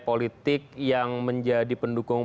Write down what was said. politik yang menjadi pendukung